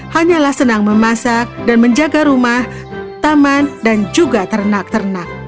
hanyalah senang memasak dan menjaga rumah taman dan juga ternak ternak